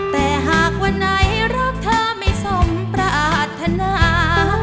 แต่หากวันไหนรักเธอไม่สมปรารถนา